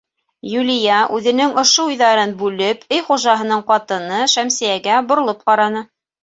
Юлия, үҙенең ошо уйҙарын бүлеп, өй хужаһының ҡатыны Шәмсиәгә боролоп ҡараны.